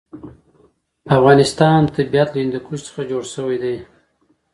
د افغانستان طبیعت له هندوکش څخه جوړ شوی دی.